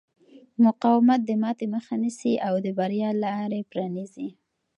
مقاومت د ماتې مخه نیسي او د بریا لارې پرانیزي.